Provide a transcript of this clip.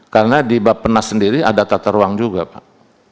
karena di bappenas sendiri ada tata ruang juga pak